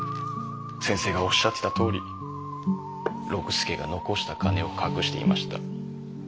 先生がおっしゃってたとおり六助が残した金を隠していました。